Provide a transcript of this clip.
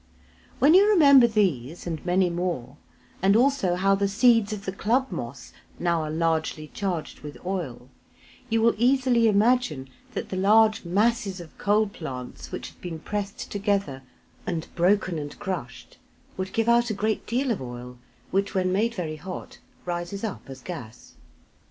When you remember these and many more, and also how the seeds of the club moss now are largely charged with oil, you will easily imagine that the large masses of coal plants which have been pressed together and broken and crushed, would give out a great deal of oil which, when made very hot, rises up as gas.